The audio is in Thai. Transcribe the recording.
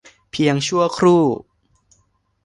เพียงชั่วครู่